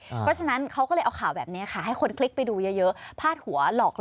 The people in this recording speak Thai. เพราะฉะนั้นเขาก็เลยเอาข่าวแบบนี้ค่ะให้คนคลิกไปดูเยอะพาดหัวหลอกล่อ